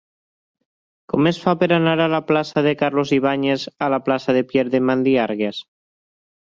Com es fa per anar de la plaça de Carlos Ibáñez a la plaça de Pieyre de Mandiargues?